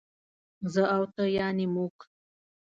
زه او ته يعنې موږ